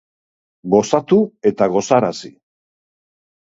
Gozatu eta gozarazi